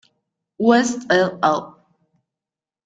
West et al.